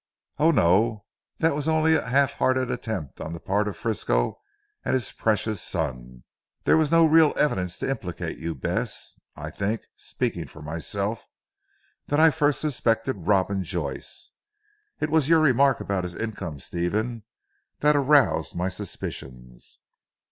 "Oh, no; that was only a half hearted attempt on the part of Frisco and his precious son. There was no real evidence to implicate you Bess. I think speaking for myself that I first suspected Robin Joyce. It was your remark about his income Stephen, that aroused my suspicions.